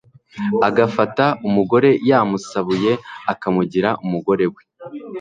agafata umugore yamusabuye, akamugira umugore we